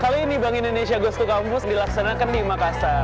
kali ini bank indonesia goes to campus dilaksanakan di makassar